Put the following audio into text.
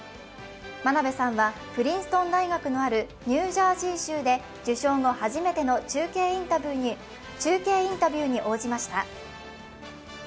真鍋さんはプリンストン大学のあるニュージャージー州で受賞後初めての中継インタビューに応じました。